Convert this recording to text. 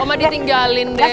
oma ditinggalin deh